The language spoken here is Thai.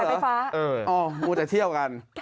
อ๋อว่าจะเที่ยวกัน